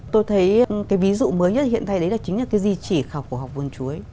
tôi thấy cái ví dụ mới nhất hiện tại đấy là chính là cái di chỉ khảo cổ học vườn chuối